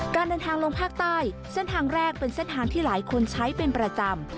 การเดินทางลงภาคใต้เส้นทางแรกเป็นเส้นทางที่หลายคนใช้เป็นประจำ